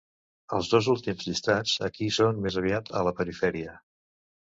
Els dos últims llistats aquí són més aviat a la perifèria.